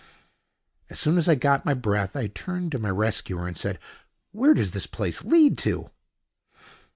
As soon as I got my breath, I turned to my rescuer and said: "Where does this place lead to?"